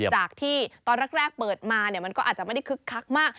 จากที่ตอนแรกเปิดมามันก็อาจจะไม่ได้คึกคักมาก